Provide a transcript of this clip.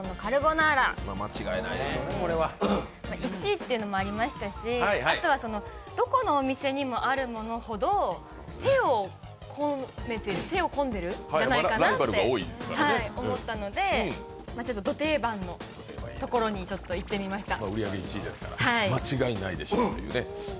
１位っていうのもありましたしどこのお店にもあるものほど、手が込んでるんじゃないかなと思ったのでちょっとド定番のところにいってみました。